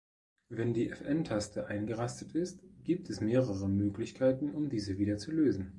Wenn die Fn-Taste eingerastet ist, gibt es mehrere Möglichkeiten, um diese wieder zu lösen.